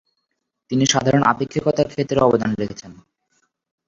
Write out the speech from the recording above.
তিনি সাধারণ আপেক্ষিকতার ক্ষেত্রে অবদান রেখেছেন।